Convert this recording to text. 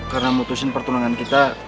karena mutusin pertunangan kita